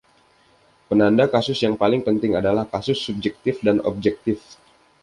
Penanda kasus yang paling penting adalah kasus subjektif dan objektif.